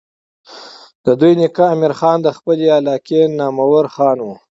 د دوي نيکه امير خان د خپلې علاقې نامور خان وو